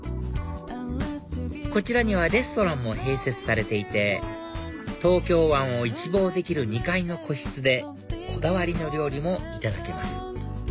こちらにはレストランも併設されていて東京湾を一望できる２階の個室でこだわりの料理もいただけます